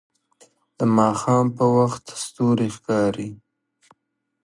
د ماښام په وخت ستوري ښکاري